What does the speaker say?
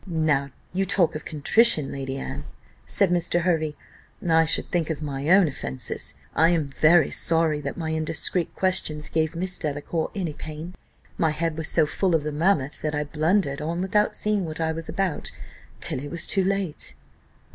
"Now you talk of contrition, Lady Anne," said Mr. Hervey, "I should think of my own offences: I am very sorry that my indiscreet questions gave Miss Delacour any pain my head was so full of the mammoth, that I blundered on without seeing what I was about till it was too late."